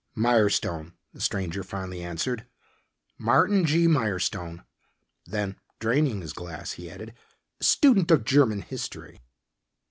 "Mirestone," the stranger finally answered, "Martin G. Mirestone." Then, draining his glass, he added, "Student of German history."